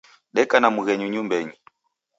Deka na mghenyu nyumbenyi.